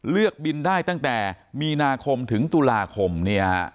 เลือกบินได้ตั้งแต่มีนาคมถึงตุลาคมเนี่ยฮะ